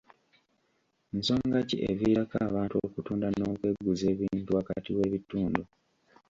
Nsonga ki eviirako abantu okutunda n'okweguza ebintu wakati w'ebitundu?